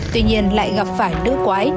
tuy nhiên lại gặp phải đứa quái